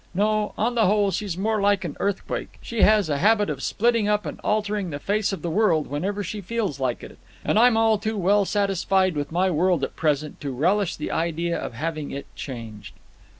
No, on the whole, she's more like an earthquake. She has a habit of splitting up and altering the face of the world whenever she feels like it, and I'm too well satisfied with my world at present to relish the idea of having it changed."